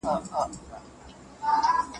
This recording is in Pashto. هغې ته زما د راتګ خبر لا دمخه ورکړل شوی و.